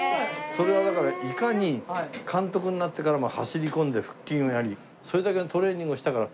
それはだからいかに監督になってからも走り込んで腹筋をやりそれだけのトレーニングをしたから。